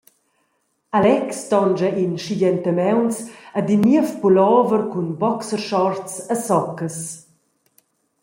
Alex tonscha in schigentamauns ed in niev pullover cun boxershorts e soccas.